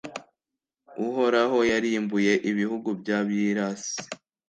uhoraho yarimbuye ibihugu by'abirasi